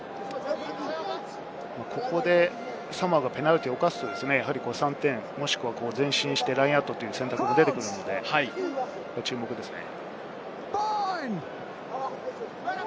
ここでサモアがペナルティーを犯すと３点、もしくは前進してラインアウトという選択も出てくるので、注目ですね。